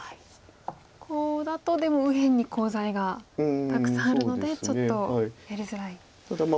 コウだとでも右辺にコウ材がたくさんあるのでちょっとやりづらい。